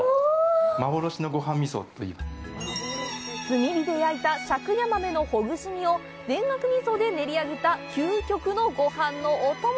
炭火で焼いた尺ヤマメのほぐし身を田楽味噌で練り上げた究極のごはんのお供。